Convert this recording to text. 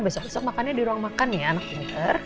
besok besok makannya di ruang makan ya anak pinter